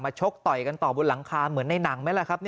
ชกต่อยกันต่อบนหลังคาเหมือนในหนังไหมล่ะครับ